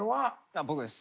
あ僕です。